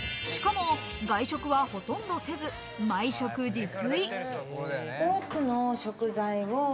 しかも外食はほとんどせず、毎食自炊。